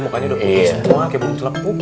makannya udah penuh semua kayak belum selap tuh